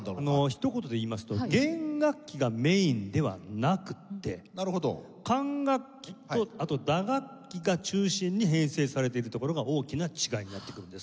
ひと言で言いますと弦楽器がメインではなくて管楽器とあと打楽器が中心に編成されているところが大きな違いになってくるんです。